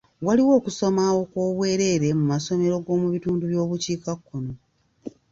Waaliwo okusoma okw'obwereere mu masomero g'omu bitundu by'omu bukiikakkono.